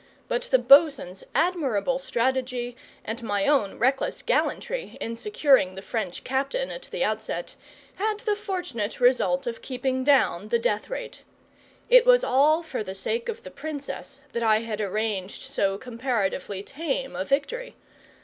But the bo'sun's admirable strategy, and my own reckless gallantry in securing the French captain at the outset, had the fortunate result of keeping down the death rate. It was all for the sake of the Princess that I had arranged so comparatively tame a victory.